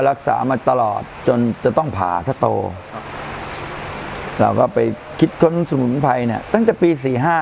รักษามาตลอดจนจะต้องผาถ้าโตเราไปคิดถึงสี่หมู่พัทย์เนี่ยตั้งจากปี